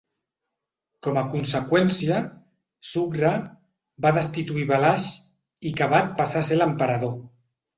Com a conseqüència, Sukhra va destituir Balash i Kavadh passar a ser l'emperador.